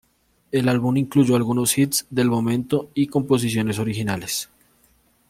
El álbum incluye algunos hits del momento y composiciones originales.